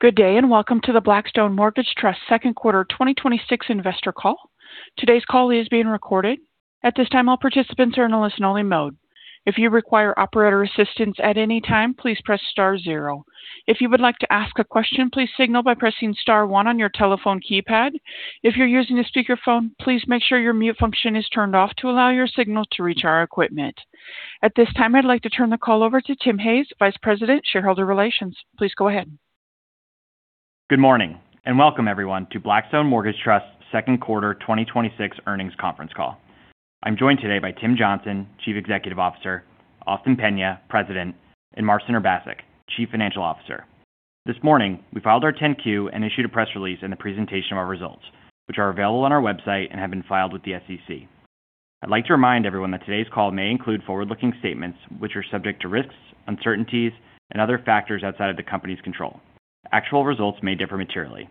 Good day, and welcome to the Blackstone Mortgage Trust second quarter 2026 investor call. Today's call is being recorded. At this time, all participants are in a listen-only mode. If you require operator assistance at any time, please press star zero. If you would like to ask a question, please signal by pressing star one on your telephone keypad. If you're using a speakerphone, please make sure your mute function is turned off to allow your signal to reach our equipment. At this time, I'd like to turn the call over to Tim Hayes, Vice President, Shareholder Relations. Please go ahead. Good morning, and welcome everyone to Blackstone Mortgage Trust's second quarter 2026 earnings conference call. I'm joined today by Tim Johnson, Chief Executive Officer, Austin Peña, President, and Marcin Urbaszek, Chief Financial Officer. This morning, we filed our 10-Q and issued a press release and a presentation of our results, which are available on our website and have been filed with the SEC. I'd like to remind everyone that today's call may include forward-looking statements, which are subject to risks, uncertainties, and other factors outside of the company's control. Actual results may differ materially.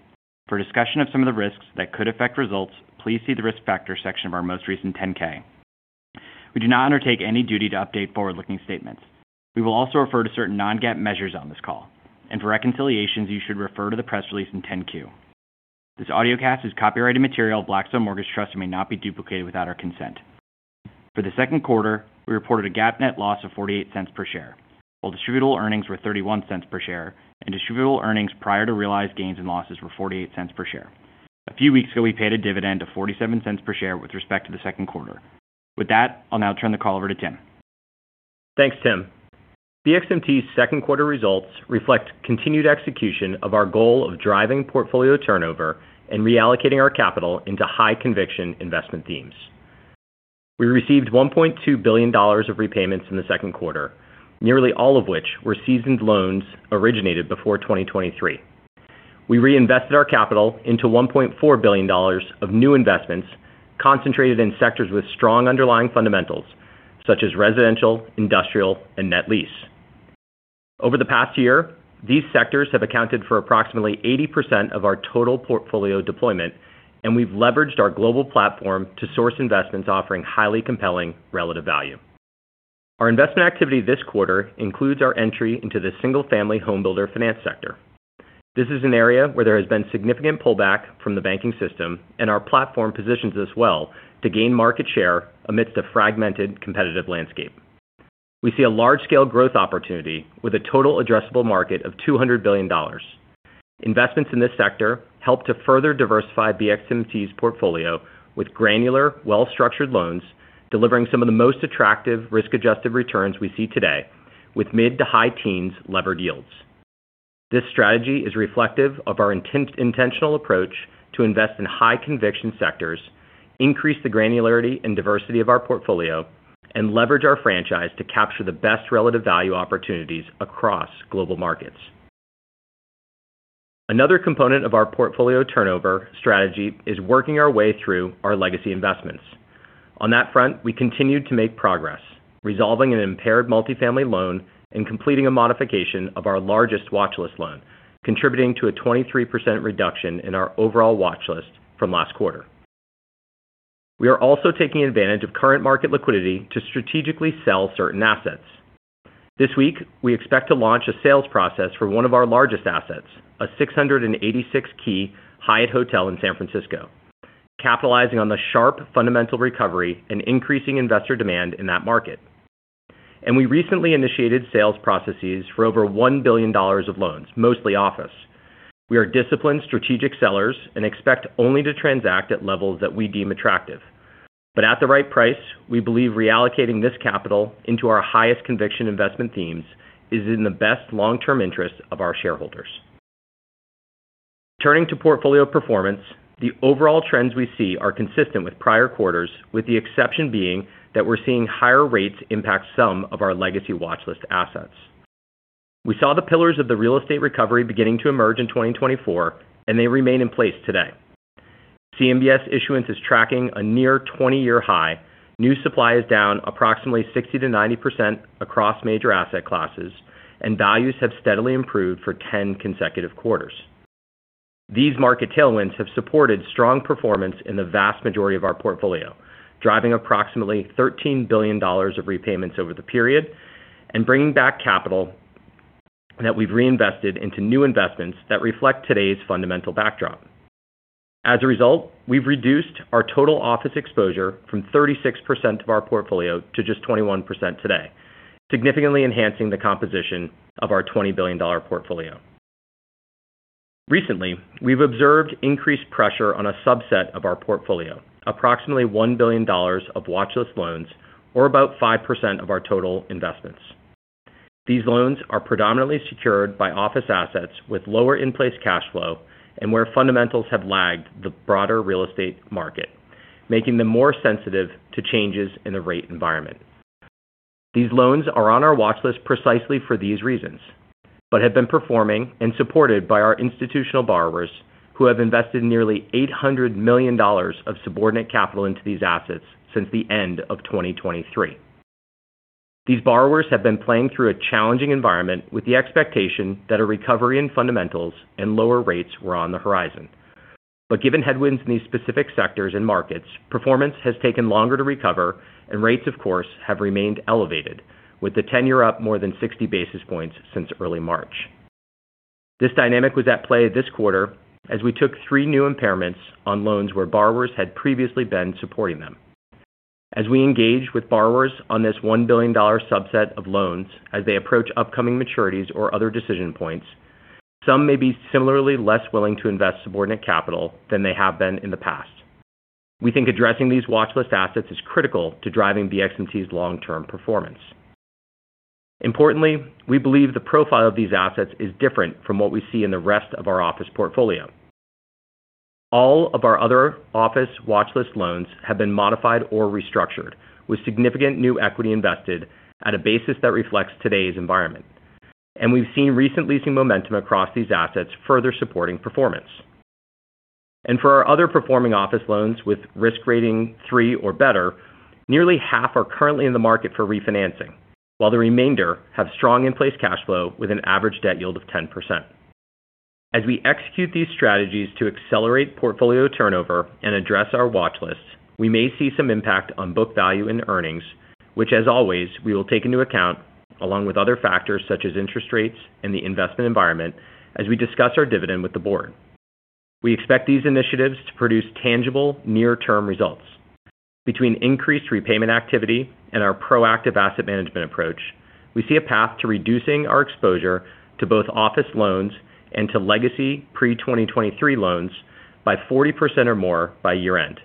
For a discussion of some of the risks that could affect results, please see the risk factor section of our most recent 10-K. We do not undertake any duty to update forward-looking statements. We will also refer to certain non-GAAP measures on this call, and for reconciliations, you should refer to the press release and 10-Q. This audiocast is copyrighted material of Blackstone Mortgage Trust and may not be duplicated without our consent. For the second quarter, we reported a GAAP net loss of $0.48 per share, while distributable earnings were $0.31 per share, and distributable earnings prior to realized gains and losses were $0.48 per share. A few weeks ago, we paid a dividend of $0.47 per share with respect to the second quarter. With that, I'll now turn the call over to Tim. Thanks, Tim. BXMT's second quarter results reflect continued execution of our goal of driving portfolio turnover and reallocating our capital into high-conviction investment themes. We received $1.2 billion of repayments in the second quarter, nearly all of which were seasoned loans originated before 2023. We reinvested our capital into $1.4 billion of new investments concentrated in sectors with strong underlying fundamentals, such as residential, industrial, and net lease. Over the past year, these sectors have accounted for approximately 80% of our total portfolio deployment, and we've leveraged our global platform to source investments offering highly compelling relative value. Our investment activity this quarter includes our entry into the single-family home builder finance sector. This is an area where there has been significant pullback from the banking system, and our platform positions us well to gain market share amidst a fragmented competitive landscape. We see a large-scale growth opportunity with a total addressable market of $200 billion. Investments in this sector help to further diversify BXMT's portfolio with granular, well-structured loans, delivering some of the most attractive risk-adjusted returns we see today with mid to high teens levered yields. This strategy is reflective of our intentional approach to invest in high-conviction sectors, increase the granularity and diversity of our portfolio, and leverage our franchise to capture the best relative value opportunities across global markets. Another component of our portfolio turnover strategy is working our way through our legacy investments. On that front, we continued to make progress resolving an impaired multifamily loan and completing a modification of our largest watchlist loan, contributing to a 23% reduction in our overall watchlist from last quarter. We are also taking advantage of current market liquidity to strategically sell certain assets. This week, we expect to launch a sales process for one of our largest assets, a 686-key Hyatt Hotel in San Francisco, capitalizing on the sharp fundamental recovery and increasing investor demand in that market. We recently initiated sales processes for over $1 billion of loans, mostly office. We are disciplined, strategic sellers and expect only to transact at levels that we deem attractive. At the right price, we believe reallocating this capital into our highest conviction investment themes is in the best long-term interest of our shareholders. Turning to portfolio performance, the overall trends we see are consistent with prior quarters, with the exception being that we're seeing higher rates impact some of our legacy watchlist assets. We saw the pillars of the real estate recovery beginning to emerge in 2024, and they remain in place today. CMBS issuance is tracking a near 20-year high. New supply is down approximately 60%-90% across major asset classes, and values have steadily improved for 10 consecutive quarters. These market tailwinds have supported strong performance in the vast majority of our portfolio, driving approximately $13 billion of repayments over the period and bringing back capital that we've reinvested into new investments that reflect today's fundamental backdrop. As a result, we've reduced our total office exposure from 36% of our portfolio to just 21% today, significantly enhancing the composition of our $20 billion portfolio. Recently, we've observed increased pressure on a subset of our portfolio, approximately $1 billion of watchlist loans or about 5% of our total investments. These loans are predominantly secured by office assets with lower in-place cash flow and where fundamentals have lagged the broader real estate market, making them more sensitive to changes in the rate environment. These loans are on our watchlist precisely for these reasons but have been performing and supported by our institutional borrowers, who have invested nearly $800 million of subordinate capital into these assets since the end of 2023. These borrowers have been playing through a challenging environment with the expectation that a recovery in fundamentals and lower rates were on the horizon. Given headwinds in these specific sectors and markets, performance has taken longer to recover, and rates, of course, have remained elevated, with the tenure up more than 60 basis points since early March. This dynamic was at play this quarter as we took three new impairments on loans where borrowers had previously been supporting them. As we engage with borrowers on this $1 billion subset of loans as they approach upcoming maturities or other decision points, some may be similarly less willing to invest subordinate capital than they have been in the past. We think addressing these watchlist assets is critical to driving BXMT's long-term performance. Importantly, we believe the profile of these assets is different from what we see in the rest of our office portfolio. All of our other office watchlist loans have been modified or restructured with significant new equity invested at a basis that reflects today's environment, and we've seen recent leasing momentum across these assets further supporting performance. For our other performing office loans with risk rating three or better, nearly half are currently in the market for refinancing, while the remainder have strong in-place cash flow with an average debt yield of 10%. As we execute these strategies to accelerate portfolio turnover and address our watchlist, we may see some impact on book value and earnings, which as always, we will take into account, along with other factors such as interest rates and the investment environment, as we discuss our dividend with the board. We expect these initiatives to produce tangible near-term results. Between increased repayment activity and our proactive asset management approach, we see a path to reducing our exposure to both office loans and to legacy pre-2023 loans by 40% or more by year-end.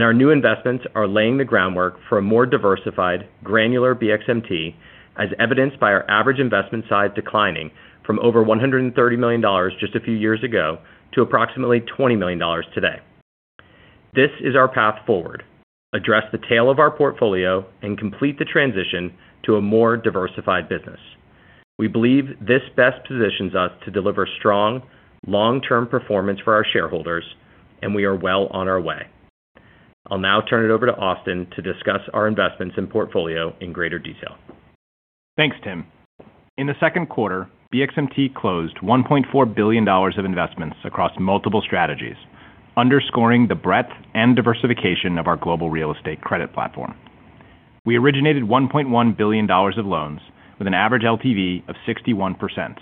Our new investments are laying the groundwork for a more diversified, granular BXMT, as evidenced by our average investment size declining from over $130 million just a few years ago to approximately $20 million today. This is our path forward. Address the tail of our portfolio and complete the transition to a more diversified business. We believe this best positions us to deliver strong long-term performance for our shareholders, and we are well on our way. I'll now turn it over to Austin to discuss our investments and portfolio in greater detail. Thanks, Tim. In the second quarter, BXMT closed $1.4 billion of investments across multiple strategies, underscoring the breadth and diversification of our global real estate credit platform. We originated $1.1 billion of loans with an average LTV of 61%,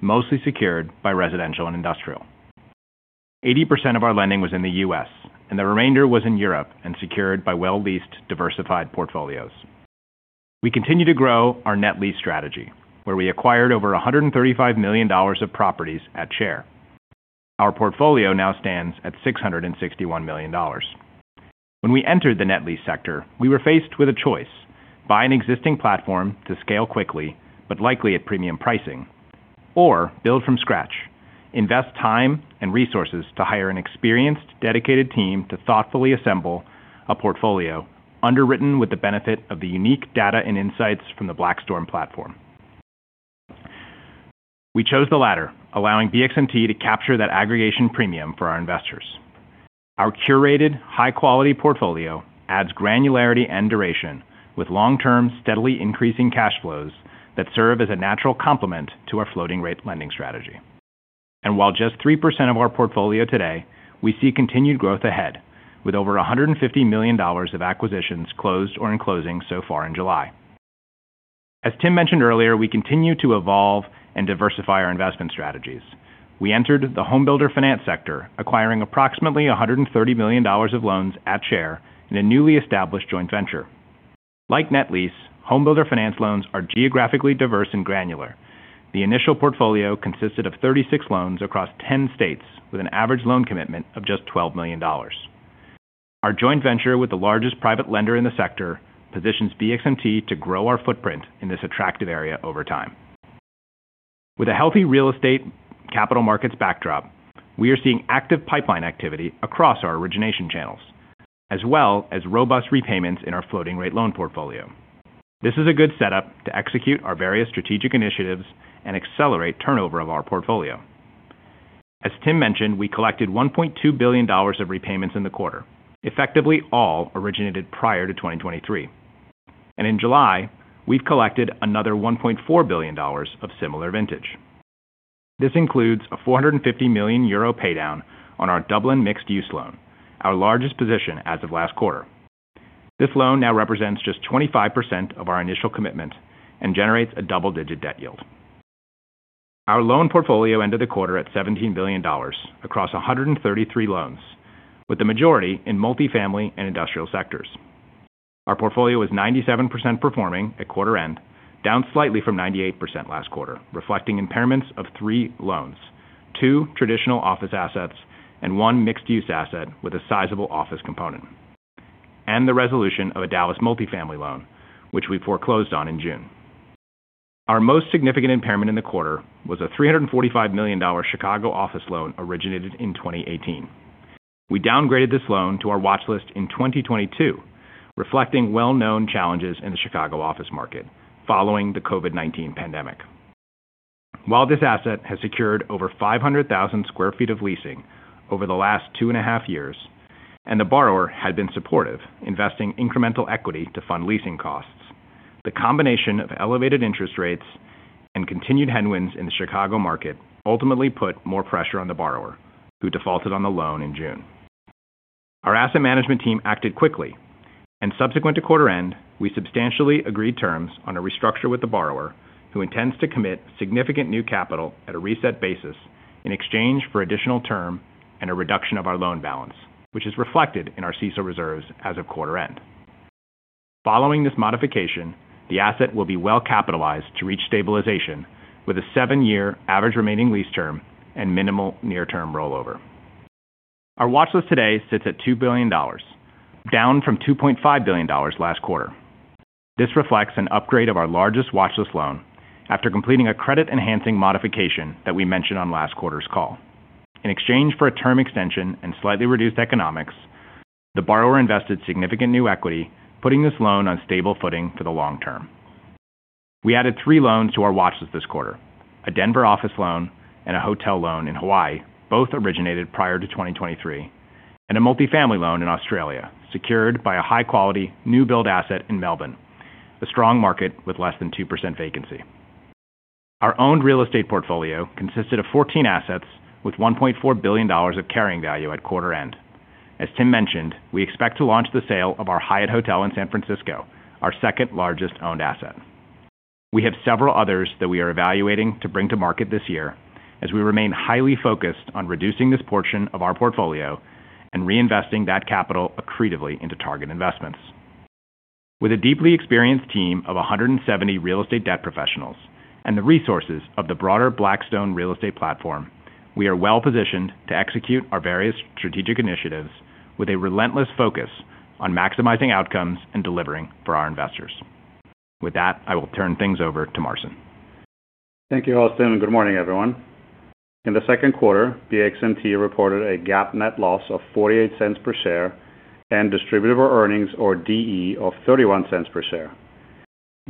mostly secured by residential and industrial. 80% of our lending was in the U.S., and the remainder was in Europe and secured by well-leased, diversified portfolios. We continue to grow our net lease strategy, where we acquired over $135 million of properties at share. Our portfolio now stands at $661 million. When we entered the net lease sector, we were faced with a choice: buy an existing platform to scale quickly, but likely at premium pricing, or build from scratch. Invest time and resources to hire an experienced, dedicated team to thoughtfully assemble a portfolio underwritten with the benefit of the unique data and insights from the Blackstone platform. We chose the latter, allowing BXMT to capture that aggregation premium for our investors. Our curated high-quality portfolio adds granularity and duration with long-term, steadily increasing cash flows that serve as a natural complement to our floating rate lending strategy. While just 3% of our portfolio today, we see continued growth ahead, with over $150 million of acquisitions closed or in closing so far in July. As Tim mentioned earlier, we continue to evolve and diversify our investment strategies. We entered the home builder finance sector, acquiring approximately $130 million of loans at share in a newly established joint venture. Like net lease, home builder finance loans are geographically diverse and granular. The initial portfolio consisted of 36 loans across 10 states with an average loan commitment of just $12 million. Our joint venture with the largest private lender in the sector positions BXMT to grow our footprint in this attractive area over time. With a healthy real estate capital markets backdrop, we are seeing active pipeline activity across our origination channels, as well as robust repayments in our floating rate loan portfolio. This is a good setup to execute our various strategic initiatives and accelerate turnover of our portfolio. As Tim mentioned, we collected $1.2 billion of repayments in the quarter, effectively all originated prior to 2023. In July, we've collected another $1.4 billion of similar vintage. This includes a 450 million euro paydown on our Dublin mixed-use loan, our largest position as of last quarter. This loan now represents just 25% of our initial commitment and generates a double-digit debt yield. Our loan portfolio ended the quarter at $17 billion across 133 loans, with the majority in multi-family and industrial sectors. Our portfolio was 97% performing at quarter end, down slightly from 98% last quarter, reflecting impairments of three loans, two traditional office assets, and one mixed-use asset with a sizable office component, and the resolution of a Dallas multi-family loan, which we foreclosed on in June. Our most significant impairment in the quarter was a $345 million Chicago office loan originated in 2018. We downgraded this loan to our watchlist in 2022, reflecting well-known challenges in the Chicago office market following the COVID-19 pandemic. While this asset has secured over 500,000 sq ft of leasing over the last two and a half years the borrower had been supportive, investing incremental equity to fund leasing costs. The combination of elevated interest rates and continued headwinds in the Chicago market ultimately put more pressure on the borrower, who defaulted on the loan in June. Our asset management team acted quickly, and subsequent to quarter end, we substantially agreed terms on a restructure with the borrower, who intends to commit significant new capital at a reset basis in exchange for additional term and a reduction of our loan balance, which is reflected in our CECL reserves as of quarter end. Following this modification, the asset will be well-capitalized to reach stabilization with a seven-year average remaining lease term and minimal near-term rollover. Our watchlist today sits at $2 billion, down from $2.5 billion last quarter. This reflects an upgrade of our largest watchlist loan after completing a credit-enhancing modification that we mentioned on last quarter's call. In exchange for a term extension and slightly reduced economics, the borrower invested significant new equity, putting this loan on stable footing for the long term. We added three loans to our watchlist this quarter, a Denver office loan and a hotel loan in Hawaii, both originated prior to 2023, and a multifamily loan in Australia, secured by a high-quality new-build asset in Melbourne, a strong market with less than 2% vacancy. Our owned real estate portfolio consisted of 14 assets with $1.4 billion of carrying value at quarter end. As Tim mentioned, we expect to launch the sale of our Hyatt Hotel in San Francisco, our second-largest owned asset. We have several others that we are evaluating to bring to market this year as we remain highly focused on reducing this portion of our portfolio and reinvesting that capital accretively into target investments. With a deeply experienced team of 170 real estate debt professionals and the resources of the broader Blackstone real estate platform, we are well-positioned to execute our various strategic initiatives with a relentless focus on maximizing outcomes and delivering for our investors. With that, I will turn things over to Marcin. Thank you, Austin, and good morning, everyone. In the second quarter, BXMT reported a GAAP net loss of $0.48 per share and distributable earnings, or DE, of $0.31 per share.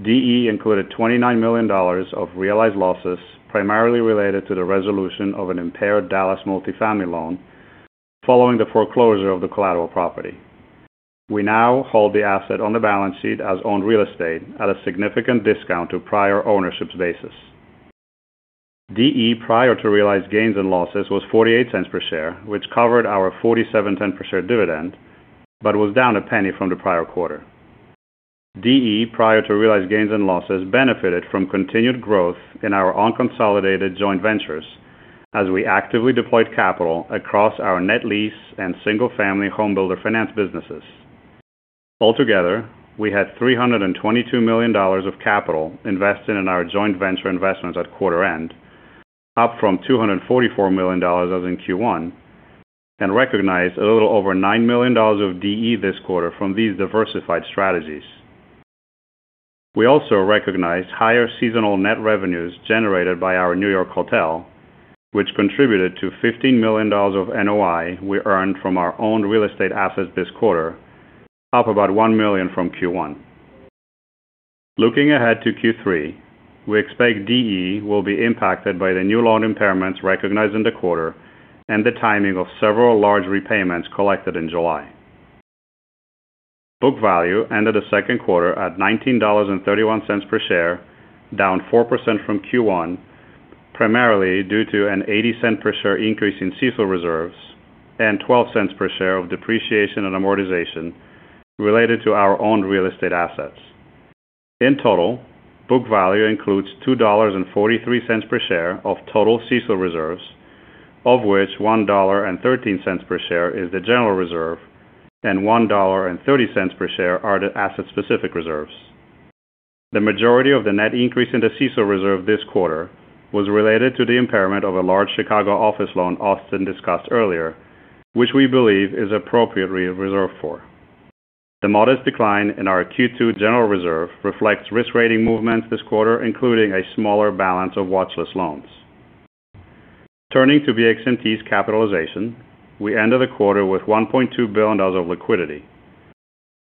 DE included $29 million of realized losses, primarily related to the resolution of an impaired Dallas multifamily loan following the foreclosure of the collateral property. We now hold the asset on the balance sheet as owned real estate at a significant discount to prior ownership's basis. DE prior to realized gains and losses was $0.48 per share, which covered our $0.47 per share dividend but was down $0.01 from the prior quarter. DE, prior to realized gains and losses, benefited from continued growth in our unconsolidated joint ventures as we actively deployed capital across our net lease and single-family home builder finance businesses. Altogether, we had $322 million of capital invested in our joint venture investments at quarter end, up from $244 million as in Q1, and recognized a little over $9 million of DE this quarter from these diversified strategies. We also recognized higher seasonal net revenues generated by our New York hotel, which contributed to $15 million of NOI we earned from our owned real estate assets this quarter, up about $1 million from Q1. Looking ahead to Q3, we expect DE will be impacted by the new loan impairments recognized in the quarter and the timing of several large repayments collected in July. Book value ended the second quarter at $19.31 per share, down 4% from Q1, primarily due to an $0.80 per share increase in CECL reserves and $0.12 per share of depreciation and amortization related to our owned real estate assets. In total, book value includes $2.43 per share of total CECL reserves, of which $1.13 per share is the general reserve and $1.30 per share are the asset-specific reserves. The majority of the net increase in the CECL reserve this quarter was related to the impairment of a large Chicago office loan Austin discussed earlier, which we believe is appropriately reserved for. The modest decline in our Q2 general reserve reflects risk rating movements this quarter, including a smaller balance of watchlist loans. Turning to BXMT's capitalization, we ended the quarter with $1.2 billion of liquidity.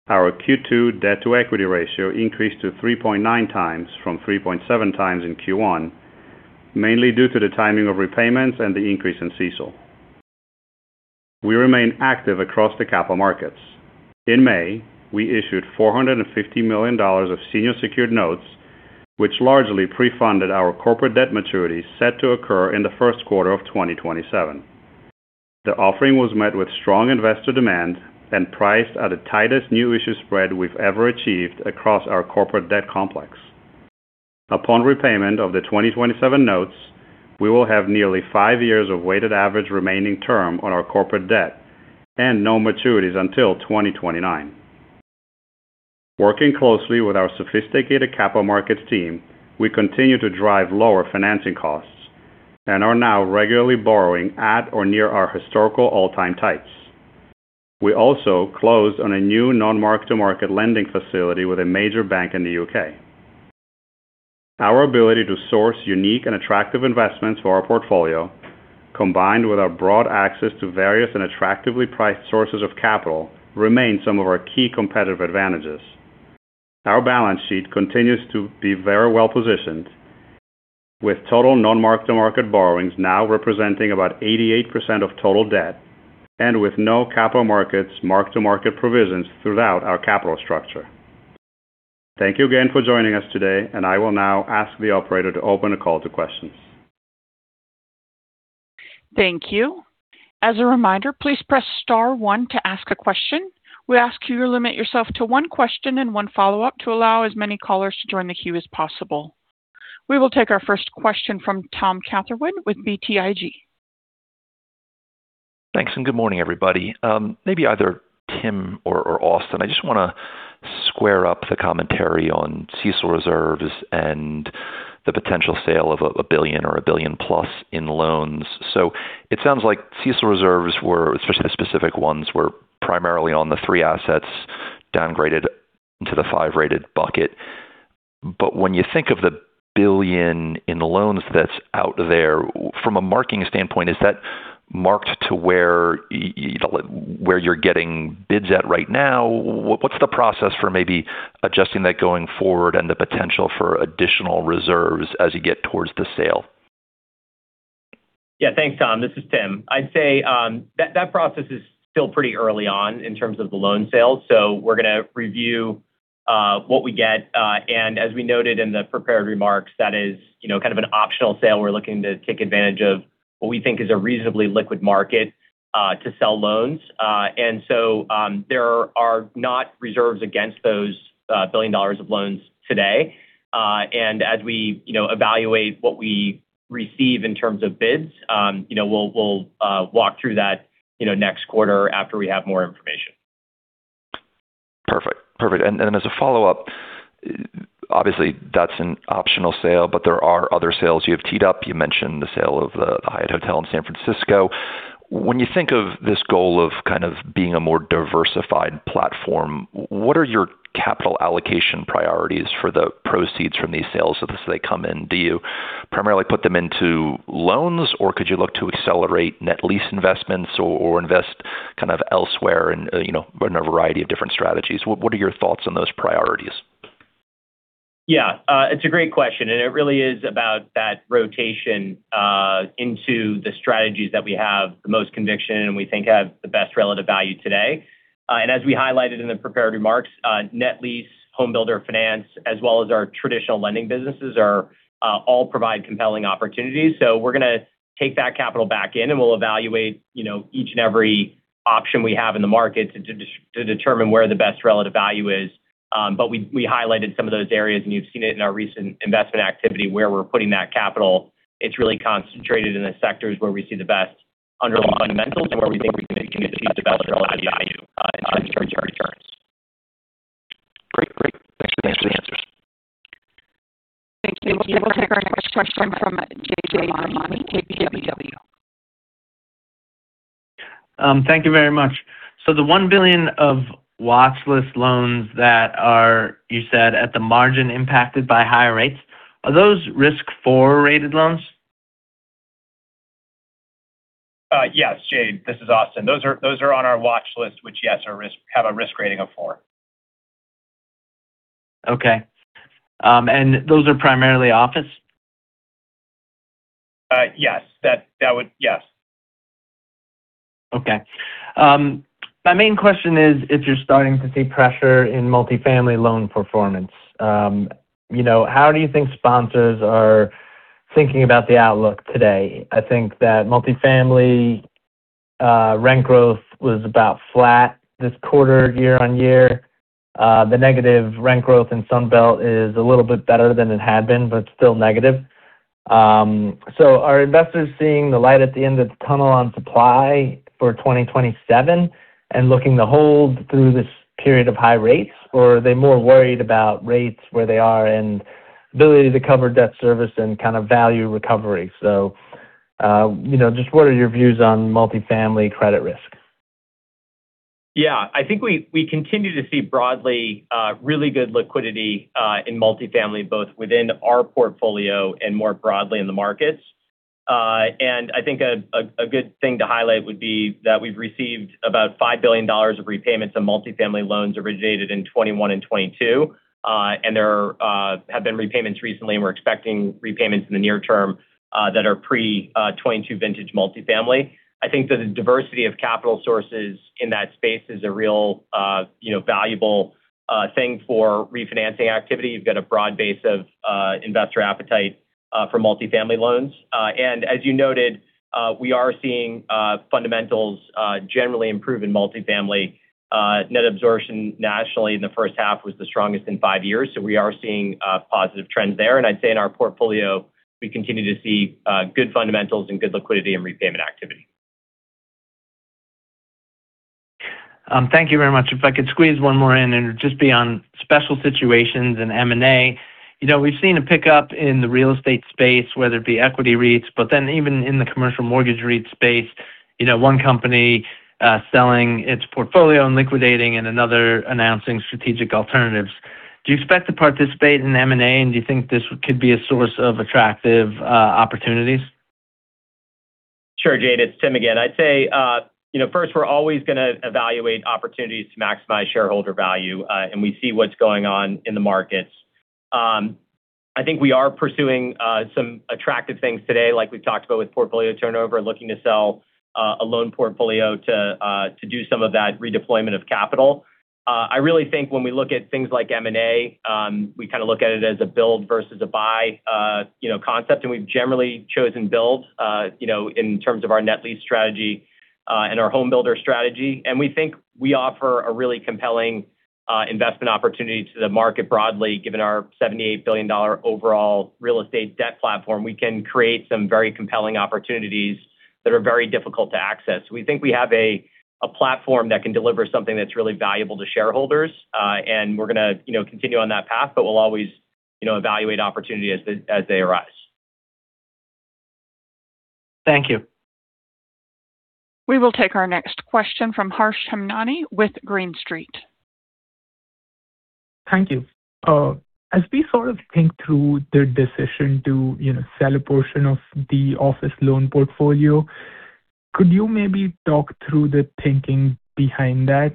Our Q2 debt-to-equity ratio increased to 3.9x from 3.7x in Q1, mainly due to the timing of repayments and the increase in CECL. We remain active across the capital markets. In May, we issued $450 million of senior secured notes, which largely pre-funded our corporate debt maturity set to occur in the first quarter of 2027. The offering was met with strong investor demand and priced at the tightest new issue spread we've ever achieved across our corporate debt complex. Upon repayment of the 2027 notes, we will have nearly five years of weighted average remaining term on our corporate debt and no maturities until 2029. Working closely with our sophisticated capital markets team, we continue to drive lower financing costs and are now regularly borrowing at or near our historical all-time highs. We also closed on a new non-mark-to-market lending facility with a major bank in the U.K. Our ability to source unique and attractive investments for our portfolio, combined with our broad access to various and attractively priced sources of capital, remain some of our key competitive advantages. Our balance sheet continues to be very well positioned with total non-mark-to-market borrowings now representing about 88% of total debt, and with no capital markets mark-to-market provisions throughout our capital structure. Thank you again for joining us today. I will now ask the operator to open the call to questions. Thank you. As a reminder, please press star one to ask a question. We ask you to limit yourself to one question and one follow-up to allow as many callers to join the queue as possible. We will take our first question from Tom Catherwood with BTIG. Thanks and good morning, everybody. Maybe either Tim or Austin, I just want to square up the commentary on CECL reserves and the potential sale of a $1 billion or a $1 billion+ in loans. It sounds like CECL reserves were, especially the specific ones, were primarily on the three assets downgraded to the five-rated bucket. When you think of the $1 billion in loans that's out there, from a marking standpoint, is that marked to where you're getting bids at right now? What's the process for maybe adjusting that going forward and the potential for additional reserves as you get towards the sale? Thanks, Tom. This is Tim. I'd say that process is still pretty early on in terms of the loan sale. We're going to review what we get. As we noted in the prepared remarks, that is kind of an optional sale we're looking to take advantage of what we think is a reasonably liquid market to sell loans. There are not reserves against those $1 billion of loans today. As we evaluate what we receive in terms of bids, we'll walk through that next quarter after we have more information. Perfect. As a follow-up, obviously that's an optional sale, but there are other sales you have teed up. You mentioned the sale of the Hyatt Hotel in San Francisco. When you think of this goal of kind of being a more diversified platform, what are your capital allocation priorities for the proceeds from these sales as they come in? Do you primarily put them into loans, or could you look to accelerate net lease investments or invest kind of elsewhere in a variety of different strategies? What are your thoughts on those priorities? It's a great question, and it really is about that rotation into the strategies that we have the most conviction and we think have the best relative value today. As we highlighted in the prepared remarks, net lease, Homebuilder finance, as well as our traditional lending businesses all provide compelling opportunities. We're going to take that capital back in and we'll evaluate each and every option we have in the market to determine where the best relative value is. We highlighted some of those areas, and you've seen it in our recent investment activity where we're putting that capital. It's really concentrated in the sectors where we see the best underlying fundamentals and where we think we can achieve the best relative value in terms of returns. Great. Thanks for the answers. Thank you. We'll take our next question from Jade Rahmani with KBW. Thank you very much. The $1 billion of watch list loans that are, you said, at the margin impacted by higher rates, are those risk four-rated loans? Yes, Jade. This is Austin. Those are on our watch list, which, yes, have a risk rating of four. Okay. Those are primarily office? Yes. Okay. My main question is if you're starting to see pressure in multifamily loan performance. How do you think sponsors are thinking about the outlook today? I think that multifamily rent growth was about flat this quarter year-over-year. The negative rent growth in Sunbelt is a little bit better than it had been, but still negative. Are investors seeing the light at the end of the tunnel on supply for 2027 and looking to hold through this period of high rates? Are they more worried about rates where they are and ability to cover debt service and kind of value recovery? Just what are your views on multifamily credit risk? Yeah, I think we continue to see broadly really good liquidity in multifamily both within our portfolio and more broadly in the markets. I think a good thing to highlight would be that we've received about $5 billion of repayments on multifamily loans originated in 2021 and 2022. There have been repayments recently, and we're expecting repayments in the near term that are pre-2022 vintage multifamily. I think that the diversity of capital sources in that space is a real valuable thing for refinancing activity. You've got a broad base of investor appetite for multifamily loans. As you noted, we are seeing fundamentals generally improve in multifamily. Net absorption nationally in the first half was the strongest in five years, so we are seeing positive trends there. I'd say in our portfolio, we continue to see good fundamentals and good liquidity and repayment activity. Thank you very much. If I could squeeze one more in, it'd just be on special situations in M&A. We've seen a pickup in the real estate space, whether it be equity REITs. Even in the commercial mortgage REIT space, one company selling its portfolio and liquidating, another announcing strategic alternatives. Do you expect to participate in M&A, do you think this could be a source of attractive opportunities? Sure, Jade, it's Tim again. I'd say first we're always going to evaluate opportunities to maximize shareholder value, and we see what's going on in the markets. I think we are pursuing some attractive things today, like we've talked about with portfolio turnover, looking to sell a loan portfolio to do some of that redeployment of capital. I really think when we look at things like M&A, we look at it as a build versus a buy concept, and we've generally chosen build in terms of our net lease strategy and our home builder strategy. We think we offer a really compelling investment opportunity to the market broadly, given our $78 billion overall real estate debt platform. We can create some very compelling opportunities that are very difficult to access. We think we have a platform that can deliver something that's really valuable to shareholders, and we're going to continue on that path. We'll always evaluate opportunity as they arise. Thank you. We will take our next question from Harsh Hemnani with Green Street. Thank you. As we think through the decision to sell a portion of the office loan portfolio, could you maybe talk through the thinking behind that?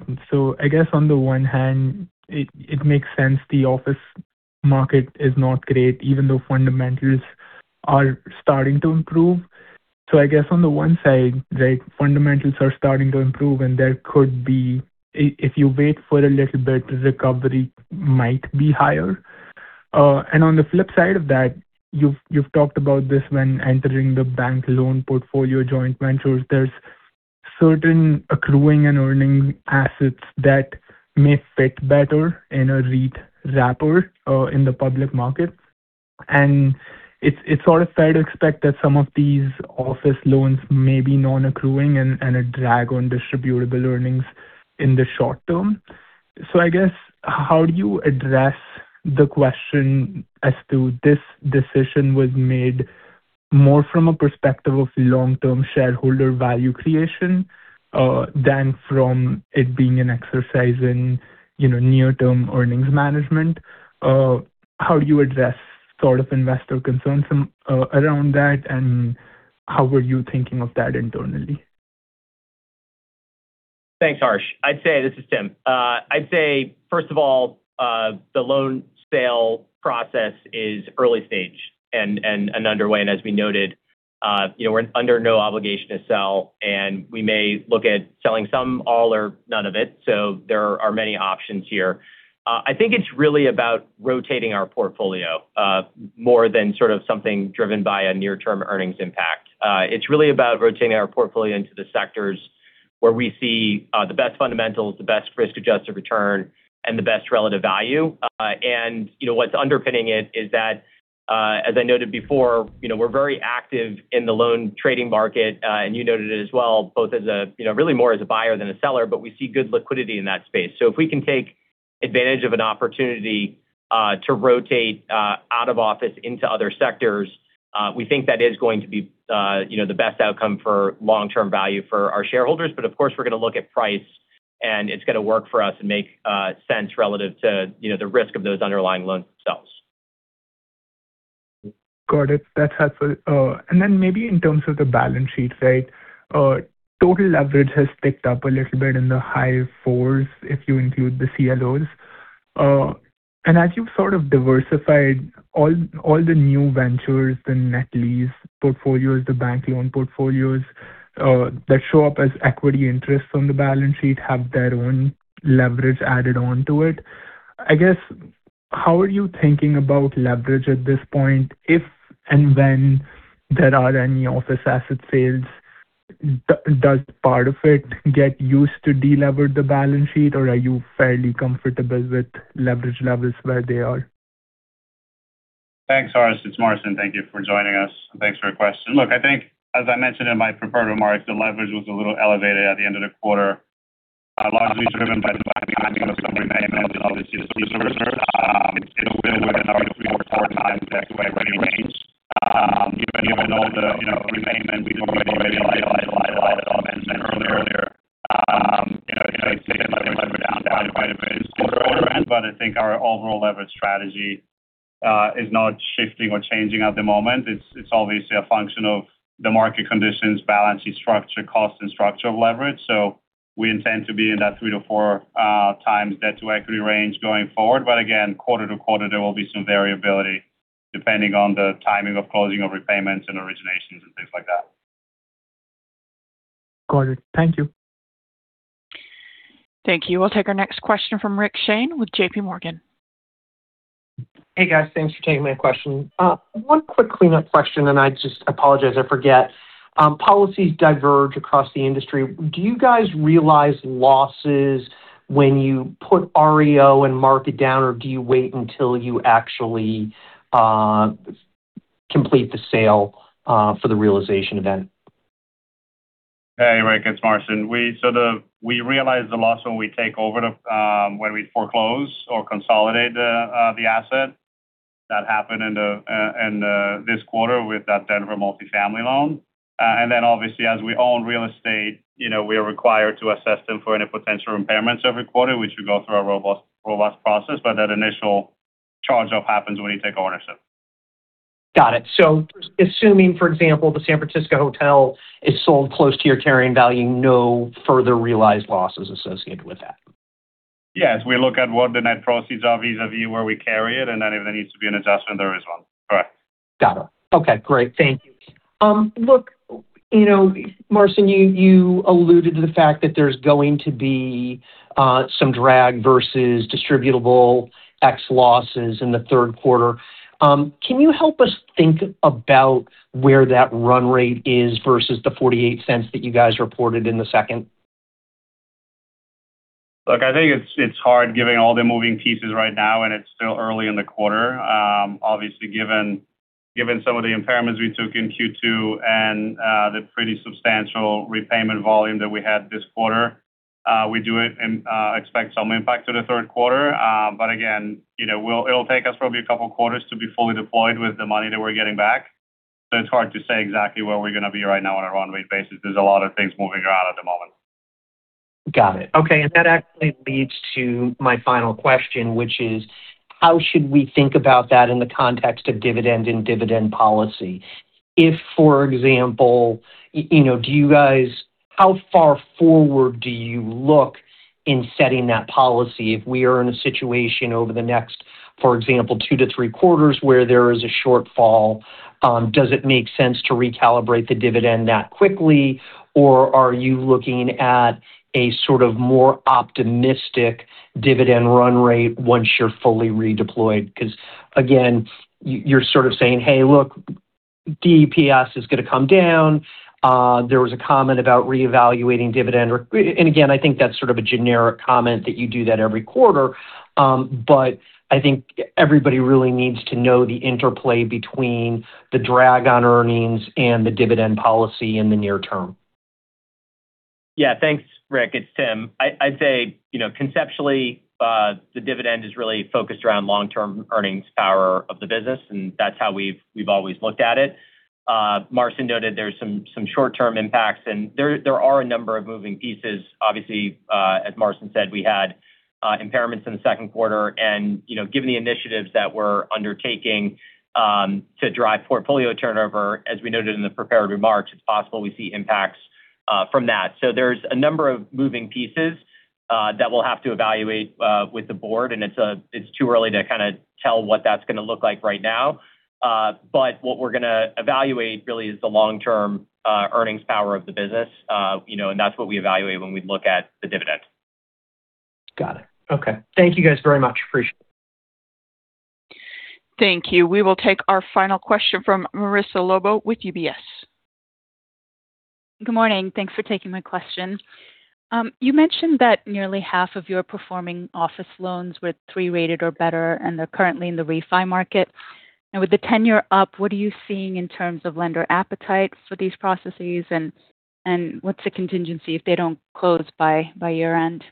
I guess on the one hand it makes sense the office market is not great, even though fundamentals are starting to improve. I guess on the one side, the fundamentals are starting to improve and there could be, if you wait for a little bit, recovery might be higher. On the flip side of that, you've talked about this when entering the bank loan portfolio, joint ventures, there's certain accruing and earning assets that may fit better in a REIT wrapper in the public market. It's fair to expect that some of these office loans may be non-accruing and a drag on distributable earnings in the short term. I guess, how do you address the question as to this decision was made more from a perspective of long-term shareholder value creation, than from it being an exercise in near-term earnings management? How do you address investor concerns around that, and how were you thinking of that internally? Thanks, Harsh. This is Tim. I'd say, first of all, the loan sale process is early stage and underway, as we noted we're under no obligation to sell, and we may look at selling some, all, or none of it. There are many options here. I think it's really about rotating our portfolio more than something driven by a near-term earnings impact. It's really about rotating our portfolio into the sectors where we see the best fundamentals, the best risk-adjusted return, and the best relative value. What's underpinning it is that, as I noted before, we're very active in the loan trading market, and you noted it as well, both really more as a buyer than a seller, but we see good liquidity in that space. If we can take advantage of an opportunity to rotate out of office into other sectors, we think that is going to be the best outcome for long-term value for our shareholders. Of course, we're going to look at price, and it's got to work for us and make sense relative to the risk of those underlying loans themselves. Got it. That's helpful. Maybe in terms of the balance sheet. Total leverage has ticked up a little bit in the high fours if you include the CLOs. As you've sort of diversified all the new ventures, the net lease portfolios, the bank loan portfolios that show up as equity interests on the balance sheet have their own leverage added onto it. I guess, how are you thinking about leverage at this point, if and when there are any office asset sales, does part of it get used to de-lever the balance sheet, or are you fairly comfortable with leverage levels where they are? Thanks, Harsh. It's Marcin. Thank you for joining us. Thanks for your question. I think as I mentioned in my prepared remarks, the leverage was a little elevated at the end of the quarter, largely driven by the timing of some repayments and obviously the resource service. It's within our 3x-4x debt-to-equity range. Even though the prepayment we've already realized, as I mentioned earlier it takes that leverage down quite a bit in this quarter. I think our overall leverage strategy is not shifting or changing at the moment. It's obviously a function of the market conditions, balance sheet structure, cost, and structure of leverage. We intend to be in that 3x-4x debt-to-equity range going forward. Again, quarter to quarter, there will be some variability depending on the timing of closing of repayments and originations and things like that. Got it. Thank you. Thank you. We'll take our next question from Rick Shane with JPMorgan. Hey, guys. Thanks for taking my question. One quick cleanup question. I just apologize. I forget. Policies diverge across the industry. Do you guys realize losses when you put REO and mark it down, or do you wait until you actually complete the sale for the realization event? Hey, Rick. It's Marcin. We realize the loss when we take over when we foreclose or consolidate the asset. That happened in this quarter with that Denver multifamily loan. Obviously, as we own real estate, we are required to assess them for any potential impairments every quarter, which we go through a robust process. That initial charge-off happens when you take ownership. Got it. Assuming, for example, the San Francisco hotel is sold close to your carrying value, no further realized loss is associated with that. Yes. We look at what the net proceeds are vis-à-vis where we carry it, and then if there needs to be an adjustment, there is one. Correct. Got it. Okay, great. Thank you. Look, Marcin, you alluded to the fact that there's going to be some drag versus distributable X losses in the third quarter. Can you help us think about where that run rate is versus the $0.48 that you guys reported in the second? Look, I think it's hard giving all the moving pieces right now, and it's still early in the quarter. Obviously, given some of the impairments we took in Q2 and the pretty substantial repayment volume that we had this quarter, we do expect some impact to the third quarter. Again, it'll take us probably a couple quarters to be fully deployed with the money that we're getting back. It's hard to say exactly where we're going to be right now on a run rate basis. There's a lot of things moving around at the moment. Got it. Okay. That actually leads to my final question, which is how should we think about that in the context of dividend and dividend policy? If, for example, how far forward do you look in setting that policy? If we are in a situation over the next, for example, two to three quarters where there is a shortfall, does it make sense to recalibrate the dividend that quickly? Or are you looking at a sort of more optimistic dividend run rate once you're fully redeployed? Again, you're sort of saying, "Hey, look, DPS is going to come down." There was a comment about reevaluating dividend. Again, I think that's sort of a generic comment that you do that every quarter. I think everybody really needs to know the interplay between the drag on earnings and the dividend policy in the near term. Thanks, Rick. It's Tim. I'd say conceptually, the dividend is really focused around long-term earnings power of the business, and that's how we've always looked at it. Marcin noted there's some short-term impacts and there are a number of moving pieces. Obviously, as Marcin said, we had impairments in the second quarter, and given the initiatives that we're undertaking to drive portfolio turnover, as we noted in the prepared remarks, it's possible we see impacts from that. There's a number of moving pieces that we'll have to evaluate with the board, and it's too early to kind of tell what that's going to look like right now. What we're going to evaluate really is the long-term earnings power of the business. That's what we evaluate when we look at the dividend. Got it. Okay. Thank you guys very much. Appreciate it. Thank you. We will take our final question from Marissa Lobo with UBS. Good morning. Thanks for taking my question. You mentioned that nearly half of your performing office loans were three-rated or better, and they're currently in the refi market. With the tenure up, what are you seeing in terms of lender appetite for these processes and what's the contingency if they don't close by year-end?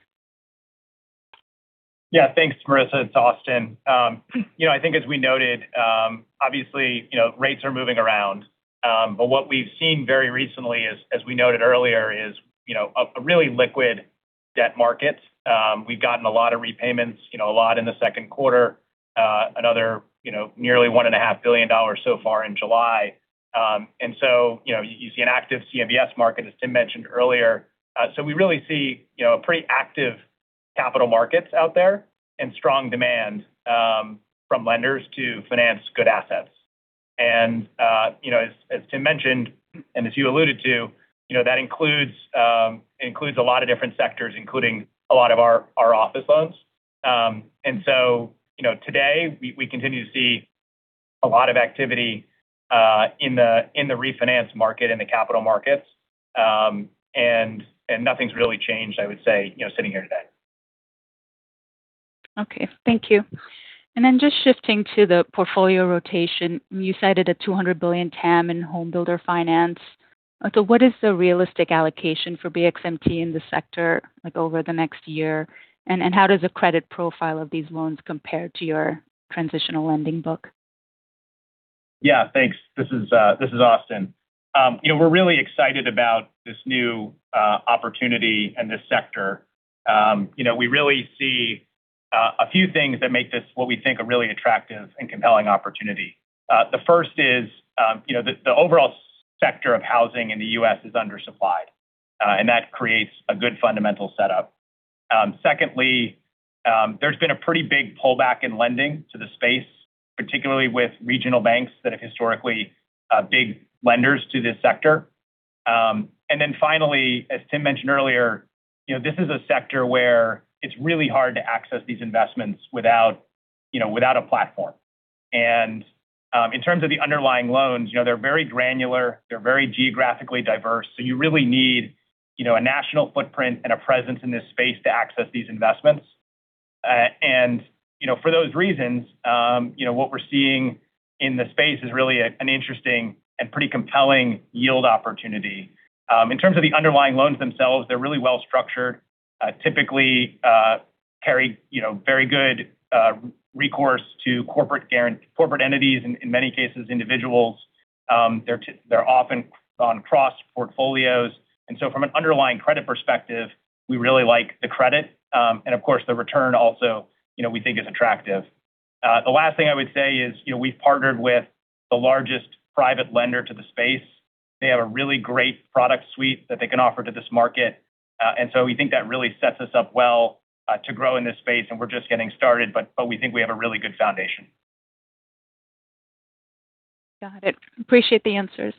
Thanks, Marissa. It's Austin. I think as we noted, obviously, rates are moving around. What we've seen very recently is, as we noted earlier, is a really liquid debt market. We've gotten a lot of repayments, a lot in the second quarter, another nearly $1.5 billion so far in July. You see an active CMBS market, as Tim mentioned earlier. We really see pretty active capital markets out there and strong demand from lenders to finance good assets. As Tim mentioned, and as you alluded to, that includes a lot of different sectors, including a lot of our office loans. Today we continue to see a lot of activity in the refinance market and the capital markets. Nothing's really changed, I would say, sitting here today. Okay. Thank you. Just shifting to the portfolio rotation, you cited a $200 billion TAM in homebuilder finance. What is the realistic allocation for BXMT in this sector over the next year? How does the credit profile of these loans compare to your transitional lending book? Thanks. This is Austin. We're really excited about this new opportunity and this sector. We really see a few things that make this what we think a really attractive and compelling opportunity. The first is the overall sector of housing in the U.S. is undersupplied, that creates a good fundamental setup. Secondly, there's been a pretty big pullback in lending to the space, particularly with regional banks that are historically big lenders to this sector. Finally, as Tim mentioned earlier, this is a sector where it's really hard to access these investments without a platform. In terms of the underlying loans, they're very granular, they're very geographically diverse. You really need a national footprint and a presence in this space to access these investments. For those reasons, what we're seeing in the space is really an interesting and pretty compelling yield opportunity. In terms of the underlying loans themselves, they're really well-structured. Typically carry very good recourse to corporate entities, in many cases, individuals. They're often on cross portfolios. From an underlying credit perspective, we really like the credit, of course, the return also we think is attractive. The last thing I would say is we've partnered with the largest private lender to the space. They have a really great product suite that they can offer to this market. We think that really sets us up well to grow in this space. We're just getting started, but we think we have a really good foundation. Got it. Appreciate the answers.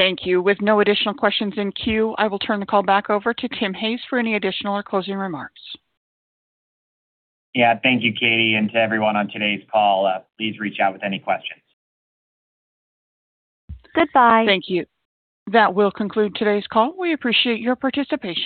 Thank you. With no additional questions in queue, I will turn the call back over to Tim Hayes for any additional or closing remarks. Yeah. Thank you, Katie, and to everyone on today's call. Please reach out with any questions. Goodbye. Thank you. That will conclude today's call. We appreciate your participation.